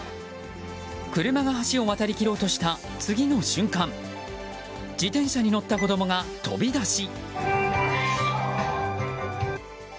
車が橋を渡りきろうとした次の瞬間自転車に乗った子供が飛び出し。